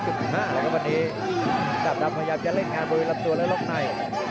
๑๕๑๕เราก็วันนี้ดับดำขยับจะเล่นงานโดยรับตัวและล๊อคใน